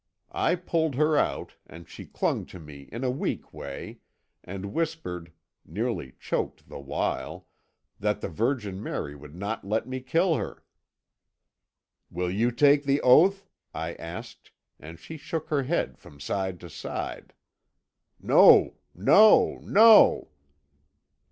I pulled her out, and she clung to me in a weak way, and whispered, nearly choked the while, that the Virgin Mary would not let me kill her. "Will you take the oath?' I asked, and she shook her head from side to side. "'No! no! no!'